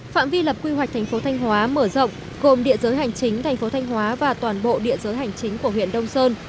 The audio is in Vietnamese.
phạm vi lập quy hoạch thành phố thanh hóa mở rộng gồm địa giới hành chính thành phố thanh hóa và toàn bộ địa giới hành chính của huyện đông sơn